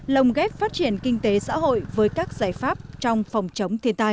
lồng ghép phát triển kinh tế xã hội với các giải pháp trong phòng chống thiên tai